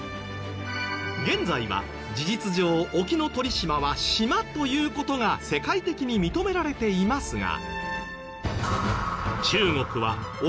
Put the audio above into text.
現在は事実上沖ノ鳥島は島という事が世界的に認められていますが。